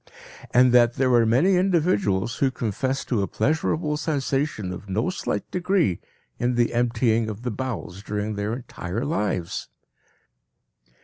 And that there are many individuals who confess to a pleasurable sensation of no slight degree in the emptying of the bowels during their entire lives!